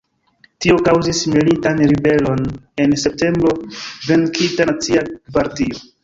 Tio kaŭzis militan ribelon en septembro, venkita de Nacia Gvardio.